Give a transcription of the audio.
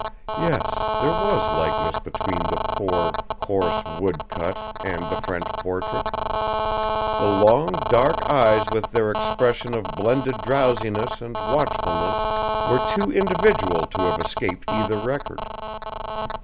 Yes, there was likeness between the poor, coarse woodcut and the French portrait. The long, dark eyes with their expression of blended drowsiness and watchfulness were too individual to have escaped either record.